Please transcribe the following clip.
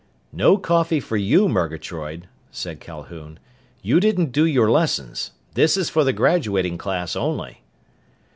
"No coffee for you, Murgatroyd," said Calhoun. "You didn't do your lessons. This is for the graduating class only."